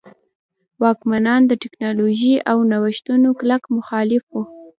واکمنان د ټکنالوژۍ او نوښتونو کلک مخالف وو.